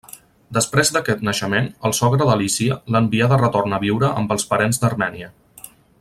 Després d'aquest naixement, el sogre d'Alícia l'envià de retorn a viure amb els parents d'Armènia.